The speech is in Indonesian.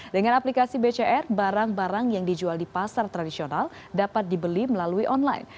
dengan aplikasi bcr barang barang yang dijual di pasar tradisional dapat dibeli melalui online